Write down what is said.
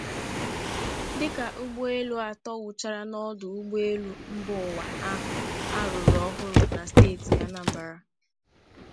dịka ụgbọelu atọ wụchàrà n'ọdụ ụgbọelu mba ụwa ahụ a rụrụ ọhụrụ na steeti Anambra.